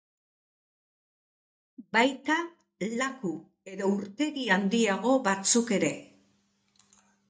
Baita laku edo urtegi handiago batzuk ere.